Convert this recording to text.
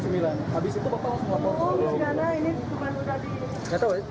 oh karena ini cuma sudah di